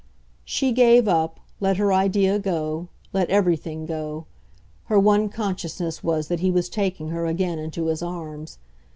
She gave up, let her idea go, let everything go; her one consciousness was that he was taking her again into his arms.